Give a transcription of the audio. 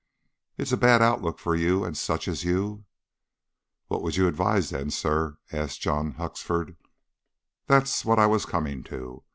It's a bad outlook for you and such as you." "What would you advise, then, sir?" asked John Huxford. "That's what I was coming to.